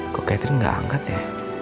kok catherine gak angkat ya